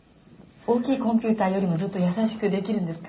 大きいコンピューターよりもずっと易しくできるんですか？